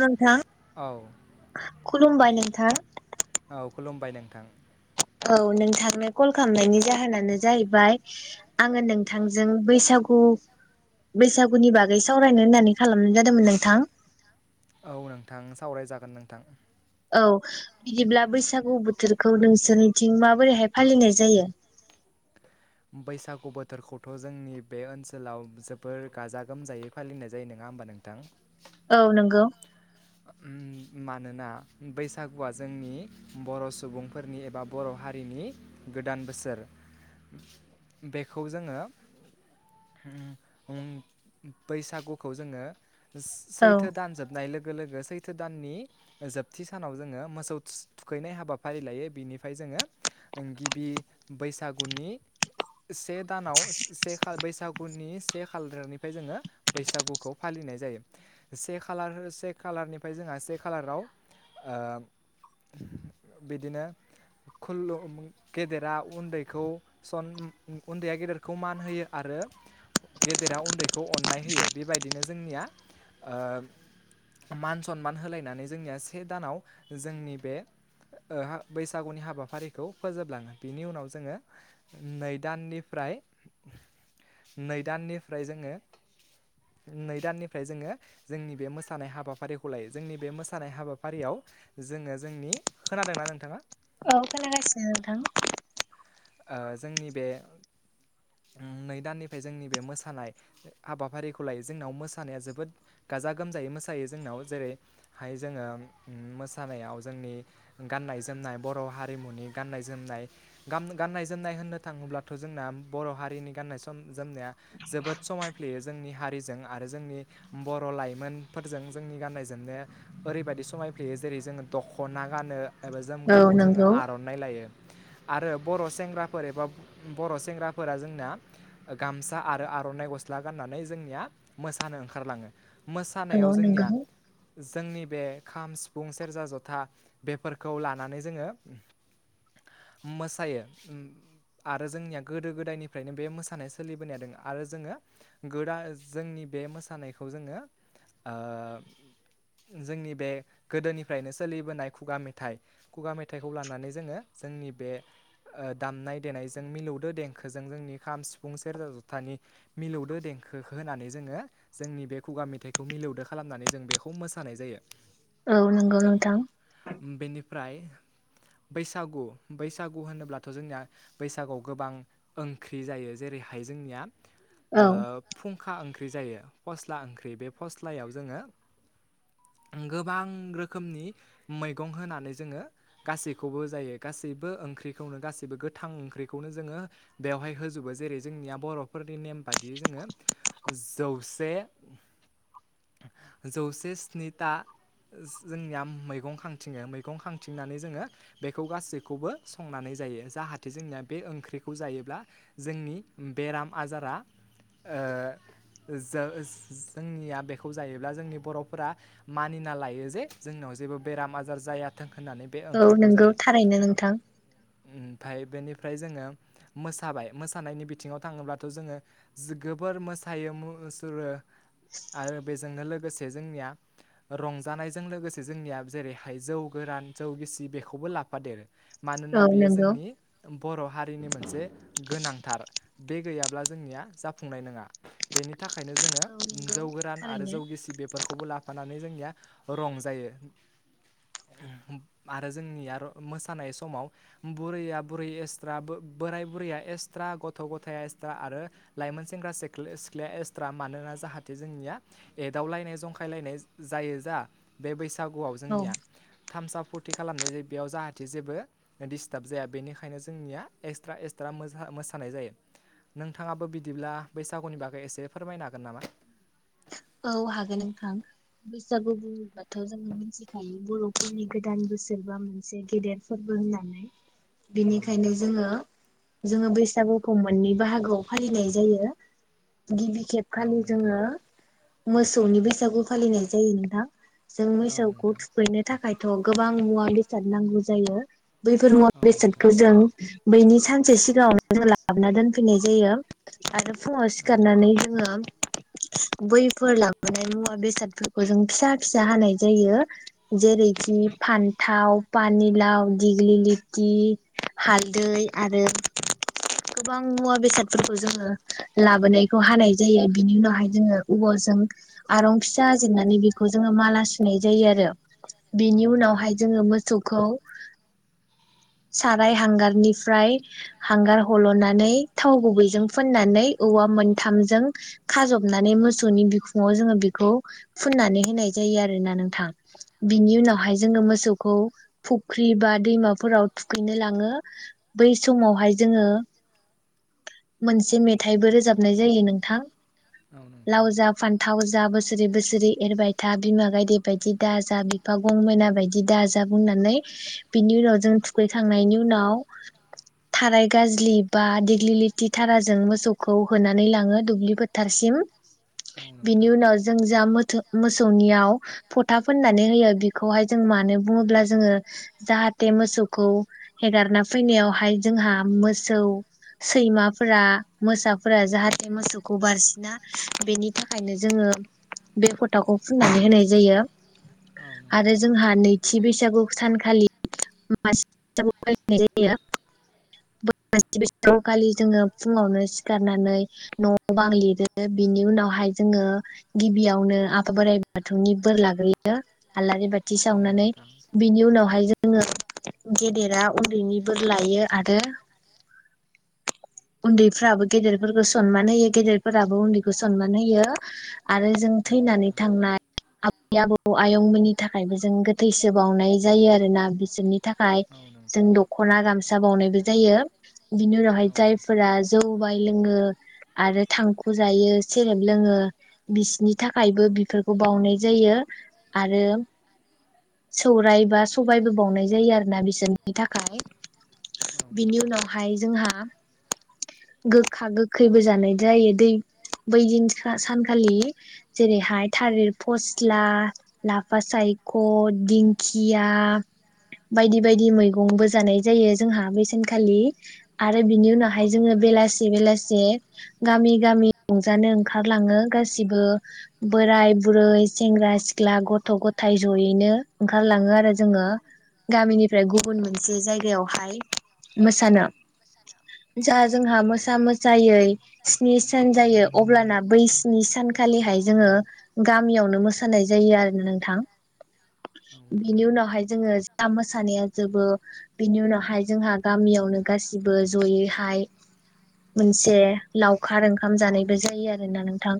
नोंथां औ खुलुमबाय नोंथां! थां। औ नोंथांनो कल खालामनायनि जाहोनानो जाहैबाय, आङो नोंथांजों बैसागु बैसागुनि बागै सावरायनो होननानै खालामनाय जादोंमोन नोंथां। औ नोंथां सावरायजागोन नोंथां। औ बिदिब्ला बैसागु बोथोरखौ नोंसोरनिथिं माबोरैहाय फालिनाय जायो? बैसागु बोथोरखौथ' जोंनि बे ओनसोलाव जोबोर गाजा-गोमजायै फालिनाय जायो नङा होमबा नोंथां? औ नंगौ। मानोना, बैसागुआ जोंनि बर' सुबुंफोरनि एबा बर' हारिनि गोदान बोसोर। बेखौ जोङो ओ बैसागुखौ जोङो सैथो औ दान जोबनाय लो गो लोगो सैथो दाननि जोबथि सानाव जोङो मोसौ थुखैनाय हाबाफारि लायो, बिनिफ्राय जोङो गिबि बैसागुनि से दानाव से बैसागुनि से खालारनिफ्राय जोङो बैसागुखौ फालिनाय जायो। से खालार से खालारनि फ्राय जोंहा से खालाराव ओ बिदिनो खुलु गेदेरा उन्दैखौ सन उन्दैया गेदेरखौ मान होयो आरो गेदेरा उन्दै खौ अननाय होयो, बेबायदिनो जोंनिआ ओ मान सनमान होलायनानै जोंनिया से दानाव जोंनि बे बैसागुनि हाबाफारिखौ फोजोबलाङो। बिनि उनाव जोङो नै दाननिफ्राय नै दाननिफ्राय जोङो नै दाननिफ्राय जोङो जोंनि बे मोसानाय हाबाफारि खौ लायो। जोंनि बे मोसानाय हाबाफारियाव जोङो जोंनि खोनादोंना नोंथाङा? औ खोनागासिनो नोंथां। ओ जोंनि बे नै दाननिफ्राय जोंनि बे मोसानाय हाबाफारिखौ लायो। जोंनाव मोसानाया जोबोद गाजा-गोमजायै मोसायो जोंनाव जेरैहाय- जोङो मोसानायाव जोंनि गाननाय-जोमनाय बर' हारिमुनि गाननाय-जोमनाय गाम गाननाय-जोमनाय होननो थाङोब्लाथ' जोंना बर' हारिनि गाननाय जोमनाया जोबोद समायफ्लेयो जोंनि हारिजों आरो जोंनि बर' लाइमोनफोरजों जोंनि गाननाय-जोमनाया ओरैबायदि समायफ्लेयो जेरै जोङो दख'ना गानो, एबा औ जोमग्राखौ जोङो नंगौ आर'नाइ लायो। आरो बर' सेंग्राफोर एबा बर' सेंग्राफोरा जोंनाया गामसा आरो आर'नाइ गस्ला गाननानै जोंनिया मोसानो ओंखारलाङो मोसानायाव औ जोंनिया नंगौ जोंनि बे खाम सिफुं सेरजा जथा बेफोरखौ लानानै जोङो मो सायो आरो जोंनिया गोदो गोदायनिफ्रायनो बे मोसानाय सोलिबोनाया दोङो आरो जोङो गोदा जोंनि बे मोसानायखौ जोङो ओ जोंनि बे गोदोनिफ्रायनो सोलिबोनाय खुगा मेथाइ खुगा मेथाइखौ लानानै जोङो जोंनि बे ओ दामनाय देनायजों मिलौदो देंखोजों जोंनि खाम सिफुं सेरजा जथानि मिलौदो देंखो होनानै जोङो जोंनि बे खुगा मेथाइखौ मिलौदो खालामनानै जों बेखौ मोसानाय जायो औ नंगौ नोंथां बेनिफ्राय बैसागु बैसागु गु होनोब्लाथ' जोंनिया बैसागुआव गोबां ओंख्रि जायो जेरैहाय जोंनिया औ फुं खा ओंख्रि जायो फस्ला ओंख्रि बे फस्लायाव जोङो गोबां रोखोमनि मैगं होनानै जोङो गासैखौबो जायो गासैबो ओंख्रि ओंख्रिखौनो गासैबो गोथां ओंख्रिखौनो जोङो बेवहाय होजोबो जेरै जोंनिया बर'फोरनि नेम बादियै जोङो जौसे जौसे स्निथा जोंनिया मैगं खांथिङो मैगं खांथिंनानै जोङो बेखौ गासैखौबो संनानै जायो जाहाथे जोंनिया बे ओंख्रिखौ जायोब्ला जोंनि बेराम आजारा जो जोंनिया बेखौ जायोब्ला जोंनि बर'फोरा मानिना लायो जे जोंनियाव जेबो बेराम आजार जायाथों होननानै बे औ ओंख्रिखौ नंगौ जायो थारैनो नोंथां ओमफ्राय बेनिफ्राय जोङो मोसाबाय मोसानायनि बिथिङाव थाङोब्लाथ' जोङो जोबोर मोसायो मुसुरो आरो बेजोंनो लोगोसे जोंनिया रंजानायजों लोगोसे जोंनिया जेरैहाय जौ गोरान जौ गिसि बेखौबो लाफादेरो औ मानोना बेयो नंगौ जोंनि बर' हारिनि मोनसे थाखायनो जोङो औ नंगौ जौ गोरान आरो थारैनो जौ जोंनिया रंजायो ओहोम आरो जोंनिया मोसायो समाव बुरैया बुरै एक्सट्रा बो बोराय बुरैया एक्सट्रा गथ' गथाया एक्सट्रा आरो लाइमोन सेंग्रा सि सिख्लाया एक्सट्रा मानोना जाहाथे जोंनिया एदावलायनाय जंखायलायनाय जायो दा बे बैसो बैसागुआव औ जोंनिया थामसा फुरथि खालामनाय जायो बेयाव जाहाथे जेबो डिस्टार्ब जाया बेनिखायनो जोंनिया एक्सट्रा एक्सट्रा मो मोसानाय जायो नोंथाङाबो बिदिब्ला बैसागुनि बागै एसे फोरमायनो हागोन नामा औ हागोन नोंथां बैसागु बुङोबाथ' जोङो मिथिखायो बर'फोरनि गोदान बोसोरबा मोनसे गेदेर फोरबो होननानै औ बेनिखायनो नोंथां जोङो जोङो बैसागुखौ मोननै बाहागोआव फालिनाय जायो गिबि औ खेबखालि नोंथां जोङो मोसौनि बैसागु फालिनाय जायो नोंथां जों औ मोसौखौ नोंथां थुखैनो थाखायथ' गोबां मुवा बेसाद साद नांगौ जायो बैफोर मुवा औ नोंथां बेसादखौ जों बैनि सानसे सिगाङांव जों लाबोना दोनफैनाय जायो आरो फुङाव औ सिखारनानै नोंथां जोङो बै फोर लांबोनाय मुवा बेसादफोरखौ जों फिसा फिसा हानाय जायो जेरैखि फान्थाव पानिलाव दिग्लि लिथि हालदै आरो गोबां मुवा बेसादफोरखौ जोङो लाबोनायखौ हानाय जायो जायो बिनि उनावहाय जोङो अबा आरं फिसा जिरनानै बेखौ जोङो माला सुनाय जायो आरो औ बेनि नोंथां उनावहाय जोङो मोसौखौ साराय हांगारनिफ्राय हांगार हल'नानै थाव गुबैजों फोननानै औवा मोनथामजों खाजबनानै मोसौनि बिखुङाव जोङो बेखौ फुननानै होनाय जायो आरोना नोंथां औ बिनि नोंथां उनावहाय जोङो मोसौखौ फुख्रि बा दैमाफोराव थुखैनो लाङो बै समावहाय जोङो मोनसे मेथाइबो रोजाबनाय जायो नोंथां औ लाव नोंथां जा फान्थाव जा बोसोरै -बोसोरै एरबाय था बिमा गायदे बायदि दाजा बिफा गंमेना बायदि दाजा बुंनानै बिनि उनाव जों थुखैखांनायनि उनाव थाराय गाजलि बा दिगलिथि थाराजों मोसौखौ होनानै लाङो दुब्लि फोथारसिम औ बिनि नोंथां उनाव जों जा मोथो मोसौनियाव फोथा फुननानै होयो बेखौहाय जों मानो बुङोब्ला जोङो जाहाथे मोसौखौ हेगारना फैनायावहाय जोंहा मोसौ सैमाफोरा मोसाफोरा जाहाथे मोसौखौ बारसिना बेनि थाखायनो जोङो बे फटा'खौ फुननानै होनाय जायो औ आरो नोंथां जोंहा नैथि बैसागु सानखालि मानसि फालिनाय जायो [inaudible] खालि जोङो फुङावनो सिखारनानै न' बां लिरो बिनि उनावहाय जोङो गिबियावनो आफा बोराइ बाथौनि बोर लाग्रोयो आलारि बाथि औ सावनानै नोंथां बिनि उनावहाय जोङो गेदेरा उन्दैनि बोर लायो आरो उन्दैफ्राबो गेदेरफोरखौ सो सनमान होयो गेदेरफोराबो उन्दैखौ सनमान होयो आरो जों औ थैनानै नोंथां थांनाय आबै आबौ आयंमोननि थाखायबो जों गोथैसो बावउनाय जायो आरो ना बिसोरनि थाखाय औ जों नोंथां दख'ना गामसा बावउनायबो जायो बिनि उनावहाय औ नोंथां जायफोरा जौ बाय लोङो आरो थांखु जायो सेरेब लोङो बिसिनि थाखायबो बेफोरखौ बावनाय जायो आरो सौरायाइ बा सबायबो बावनाय जायो आरोना बिसोरनि थाखाय औ बिनि नोंथां उनावहाय जोंहा गोखा- गोखैबो जानाय जायो दै बै दिन सानखालि जेरैहाय थालिर फस्ला लाफा सायख दिंखिया बायदि बायदि मैगंबो जानाय जायो जोंहा बेसेनखालि आरो आरो बिनि औ उनावहाय जोङो नोंथां बेलासे बेलासे गामि-गामि रंजानो ओंखारलाङो गासिबो बोराय -बुरै, सेंग्रा- सिख्ला, गथ'- गथाय जयैनो ओंखारलाङो आरो जोङो गामिनिफ्राय गुबुन मोनसे जायगायावहाय मोसानो जा औ जोंहा नोंथां मोसा मोसायै स्नि सान जायो अब्लाना बै स्नि सानखालिहाय जोङो गामियावनो मोसानाय जायो आरो नोंथां औ नोंथां औ बिनि नोंथां उनावहाय जोङो जा मोसानाया जोबो बिनि उनावहाय जोंहा गामियावनो गासिबो जयैहाय मोनसे लावखार ओंखाम जानायबो जायो आरोना नोंथां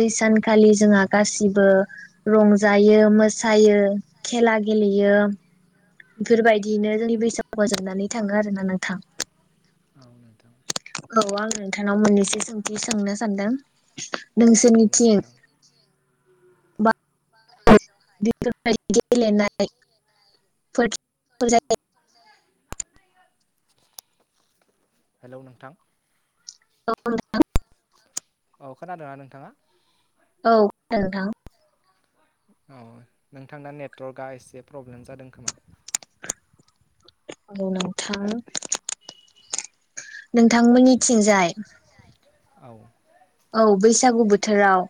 बै सानखालि जोंहा गासिबो रंजायो मो सायो खेला गेलेयो बेफोरबायदियैनो जोंनि बैसागु फोजाबनानै थाङो आरोना नोंथां। औ नोंथां औ आं नोंथांनाव मोननैसो सोंथि सोंनो सानदों। औ नोंसोरनिथिं नोंथां बा [unintelligible] [unintelligible] हेलौ नोंथां औ नोंथां अ खोनादोंना नोंथाङा औ खोनादों नोंथां औ नोंथांना नेटवर्कआ एसे प्रब्लेम जादों खोमा औ नोंथां नोंथांमोननिथिंजाय औ [unintelligible] औ बैसागु बोथोराव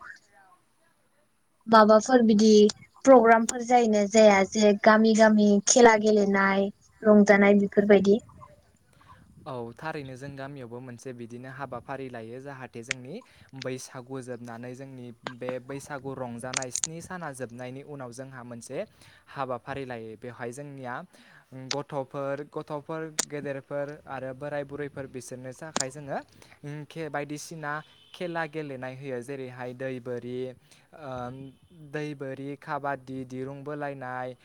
माबाफोर बिदि प्रग्रामफोर जायोना जाया जे गामि-गामि खेला गेलेनाय रंजानाय बेफोरबायदि। औ थारैनो जों गामियावबो मोनसे बिदिनो हाबाफारि लायो जाहाथे जोंनि बैसागु जोबनानै जोंनि बे बैसागु रंजानाय स्नि साना जोबनायनि उनाव जोंहा मोनसे हाबाफारि लायो बेवहाय जोंनिया गथ'फोर-गथ'फोर गेदेरफोर आरो बोराय बुरैफोर बिसोरनि थाखाय जोङो उम खे बायदिसिना खेला गेलेनाय होयो जेरैहाय दै बोरि दै ओ दै बोरि खाबादि दिरुं बोलायनाय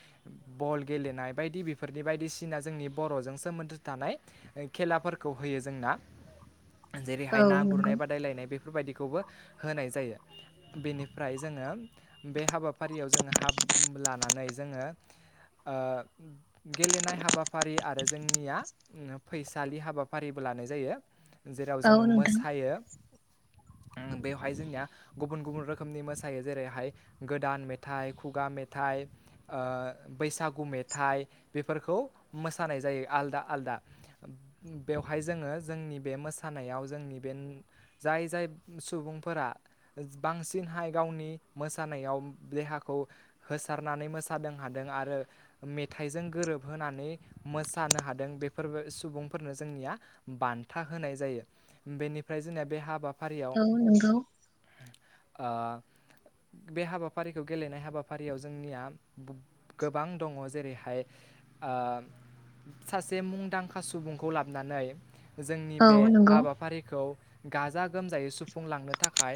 बल गेलेनाय बायदि बेफोरनि बायदिसिना जोंनि बर'जों सोमोन्दो थानाय खेलाफोरखौ होयो जोंना जेरैहाय औ ना गुरनाय नंगौ बादायलायनाय बे बेफोरबायदिखौबो होनाय जायो बेनिफ्राय जोङो बे हाबाफारियाव जोङो हाब लानानै जोङो ओ गेलेनाय हाबाफारि आरो जोंनिया [unintelligible] फैसालि हाबाफारिबो लानाय जायो। जेराव औ जोङो नोंथां मोसायो उम बेवहाय जोंनिया गुबुन-गुबुन रोखोमनि मोसायो जेरैहाय गोदान मेथाइ खुगा मेथाइ ओ बैसागु मेथाइ बेफोरखौ मोसानाय जायो आलदा आलदा बेवहाय जोङो जोंनि बे मोसानायाव जोंनि बे जाय-जाय सुबुंफोरा बांसिनहाय गावनि मोसानायाव देहाखौ होसारनानै मोसादों हादों आरो मेथाइजों गोरोबहोनानै मोसानो हाद दों बेफोरबो सुबुंफोरनो जोंनिया बान्था होनाय जायो बेनिफ्राय जोंनिया बे हाबा औ नंगौ आ बे हाबाफारिखौ गेलेनाय हाबाफारियाव जोंनिया गोबां दङ' जेरैहाय ओम सासे मुंदांखा सुबुंखौ लाबनानै जोंनि औ बे नंगौ हाबाफारिखौ गाजा गोमजायै सुफुंलांनो थाखाय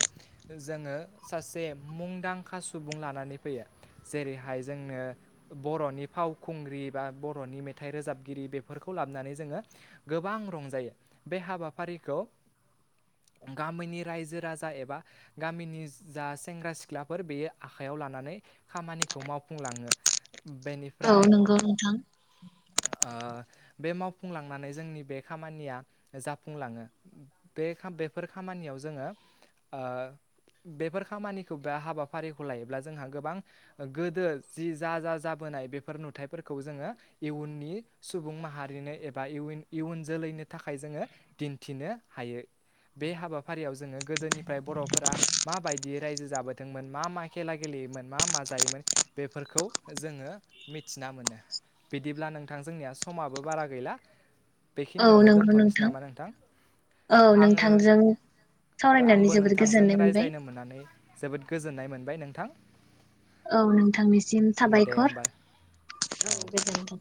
जोङो सासे मुंदांखा सुबुं लानानै फैयो जेरैहाय जोंनो बर'नि फावखुंग्रि बा बर'नि मेथाइ रोजाब गिरि बेफोरखौ लाबनानै जोङो गोबां रंजायो बे हाबाफारिखौ गामिनि रायजो राजा एबा गामिनि जा सेंग्रा सिख्लाफोर बेयो आखायाव लानानै खामानिखौ मावफुंलाङो। औ बेनिफ्राय नंगौ नोंथां आ बे मावफुंलांनानै जोंनि बे खामानिया जाफुंलाङो बे खा बेफोर खामानियाव जोङो ओ बेफोर खामानिखौ बा हाबाफारिखौ लायोब्ला जोंहा गोबां गोदो जि जा जा जाबोनाय बेफोर नुथाइफोरखौ जोङो इयुननि सुबुं माहारिनो एबा इउयिन इयुन जोलैनो थाखाय जोङो दिन्थिनो हायो बे हाबाफारियाव जोङो गोदोनिफाय बर'फोरा माबायदि रायजो जाबोदोंमोन मा-मा खेला गेलेयोमोन मा-मा जायोमोन बेफोरखौ जोङो मिथिना मोनो बिदिब्ला नों थां जोंनिया समाबो बारा गैला औ बेखिनियावनो नंगौ दोनथ'निसै नामा नोंथां औ आङो नोंथांजों ओ सावरायनानै आंबो जोबोद नोंथांजों गोजोननाय मोनबाय रायज्लायनो मोननानै जोबोद गोजोननाय मोन बाय नोंथां औ नोंथांनिसिम दे साबायखर होमबा औ गोजोनथों।